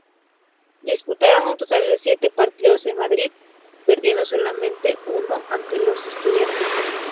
Disputaron un total de siete partidos en Madrid, perdiendo solamente uno ante el Estudiantes.